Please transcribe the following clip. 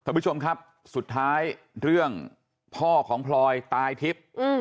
สวัสดีคุณผู้ชมครับสุดท้ายเรื่องพ่อของพลอยตายทิศ